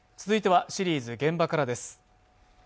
続いてはシリーズ「現場から」です。